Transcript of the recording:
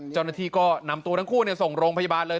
เจ้าหน้าที่ก็นำตัวทั้งคู่ส่งโรงพยาบาลเลย